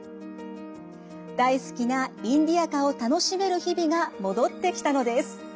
大好きなインディアカを楽しめる日々が戻ってきたのです。